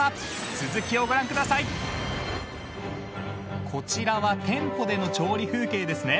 正解はこちらは店舗での調理風景ですね。